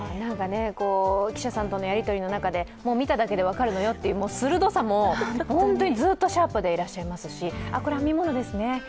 記者さんとのやり取りの中で見ただけで分かるのよという鋭さもずっとシャープでいらっしゃるしこれ、編み物ですね。